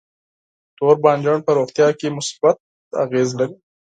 تور بانجان په روغتیا کې مثبت تاثیر لري.